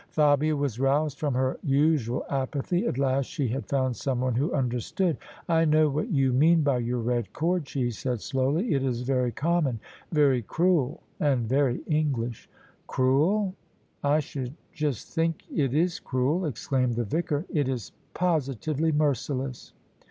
Fabia was roused from her usual apathy: at last she had found someone who understood. " I know what you mean by your red cord," she said slowly: "it is very common — very cruel — ^and very English." " Cruel? I should just think it is cruel," exclaimed the Vicar, " it is positively merciless